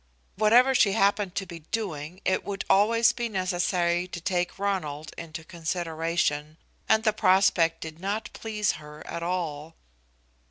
Whatever she happened to be doing, it would always be necessary to take Ronald into consideration, and the prospect did not please her at all.